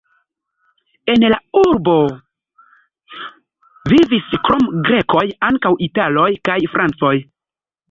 En la urbo vivis krom grekoj ankaŭ italoj kaj francoj.